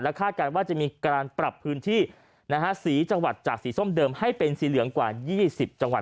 คาดการณ์ว่าจะมีการปรับพื้นที่สีจังหวัดจากสีส้มเดิมให้เป็นสีเหลืองกว่า๒๐จังหวัด